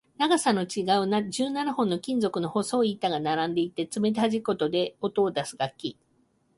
長さの違う十七本の金属の細い板が並んでいて、爪ではじくことで音を出す楽器